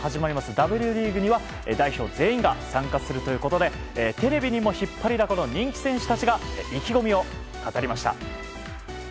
Ｗリーグには代表全員が参加するということでテレビにも引っ張りだこの人気選手たちが意気込みを語りました。